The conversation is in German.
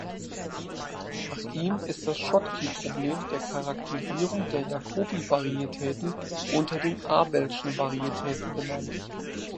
Nach ihm ist das Schottky-Problem der Charakterisierung der Jacobi-Varietäten unter den abelschen Varietäten benannt.